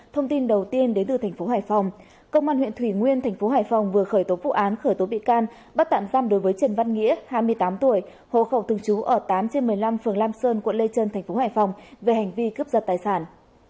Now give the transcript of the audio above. thông tin đầu tiên đến từ thành phố hải phòng công an huyện thủy nguyên thành phố hải phòng vừa khởi tố vụ án khởi tố bị can bắt tạm giam đối với trần văn nghĩa hai mươi tám tuổi hộ khẩu thường trú ở tám trên một mươi năm phường lam sơn quận lê trân tp hải phòng về hành vi cướp giật tài sản